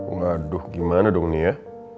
ngaduh gimana dong ini ya